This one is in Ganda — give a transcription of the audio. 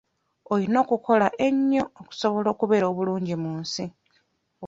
Oyina okukola ennyo okusobola okubeera obulungi mu nsi.